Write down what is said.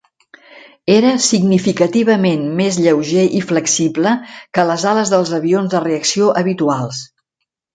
Era significativament més lleuger i flexible que les ales dels avions de reacció habituals.